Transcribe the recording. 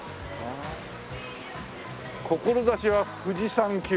「志は富士山級。